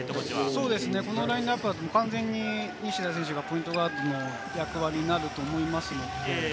このラインアップだと西田選手がポイントガードの役割になると思います。